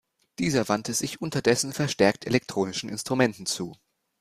Dieser wandte sich unterdessen verstärkt elektronischen Instrumenten zu.